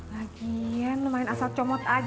lagian lumayan asal comot aja